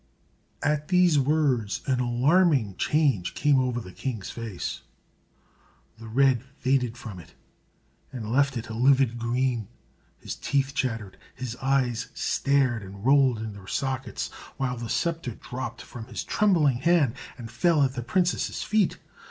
At these words an alarming change came over the king's face. The red faded from it, and left it a livid green; his teeth chattered; his eyes stared, and rolled in their sockets; while the sceptre dropped from his trembling hand and fell at the princess's feet.